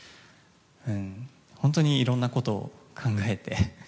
本当にいろんなことを考えて。